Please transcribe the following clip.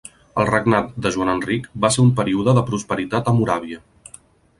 El regnat de Joan Enric va ser un període de prosperitat a Moràvia.